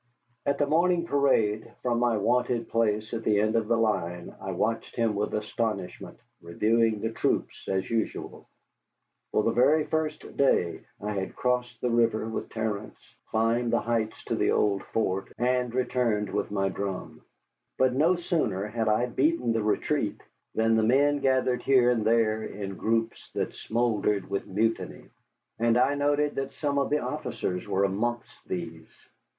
At the morning parade, from my wonted place at the end of the line, I watched him with astonishment, reviewing the troops as usual. For the very first day I had crossed the river with Terence, climbed the heights to the old fort, and returned with my drum. But no sooner had I beaten the retreat than the men gathered here and there in groups that smouldered with mutiny, and I noted that some of the officers were amongst these.